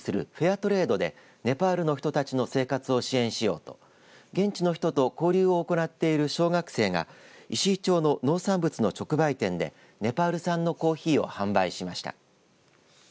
トレードでネパールの人たちの生活を支援しようと現地の人と交流を行っている小学生が石井町の農産物の直売店でネパール産のコーヒーを販売しました。